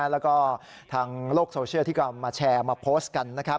แล้วก็ทางโลกโซเชียลที่ก็มาแชร์มาโพสต์กันนะครับ